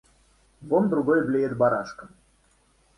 Вон другой блеет барашком.